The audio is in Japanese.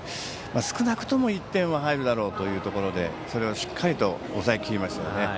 少なくとも１点は入るだろうというところでそれをしっかりと抑えきりましたね。